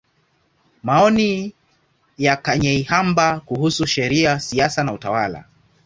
Maoni ya Kanyeihamba kuhusu Sheria, Siasa na Utawala.